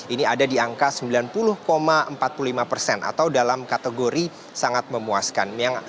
ini ada di angka sembilan puluh empat puluh lima persen atau dalam kategori sangat memuaskan